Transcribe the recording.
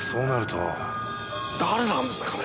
誰なんですかね？